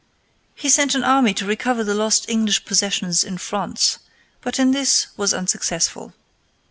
He sent an army to recover the lost English possessions in France, but in this was unsuccessful.